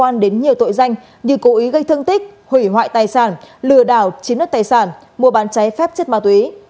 như cố ý gây thương tích hủy hoại tài sản lừa đảo chiến đất tài sản mua bán cháy phép chất ma túy